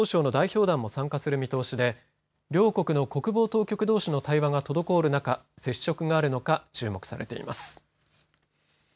アメリカの国防総省の代表団も参加する見通しで両国の国防当局どうしの対話が滞る中接触があるのか注目されています。